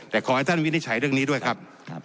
แต่ขอให้ท่านวินิจฉัยเรื่องนี้ด้วยครับ